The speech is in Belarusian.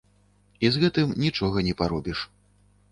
І з гэтым нічога не паробіш.